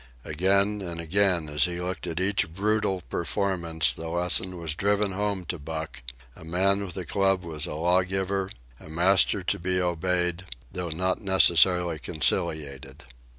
Again and again, as he looked at each brutal performance, the lesson was driven home to Buck: a man with a club was a lawgiver, a master to be obeyed, though not necessarily conciliated.